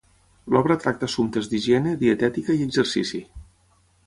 L'obra tracta assumptes d'higiene, dietètica i exercici.